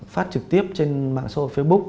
phát trực tiếp trên mạng xã hội facebook